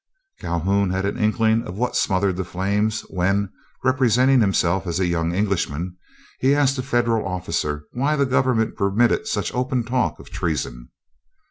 Calhoun had an inkling of what smothered the flames when, representing himself as a young Englishman, he asked a Federal officer why the government permitted such open talk of treason.